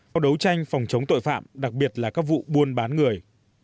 và đấu tranh phòng chống tội phạm đặc biệt là các vụ buôn bán người